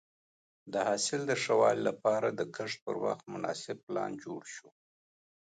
د حاصل د ښه والي لپاره د کښت پر وخت مناسب پلان جوړ شي.